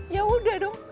ya udah dong